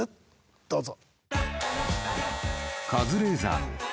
どうぞ。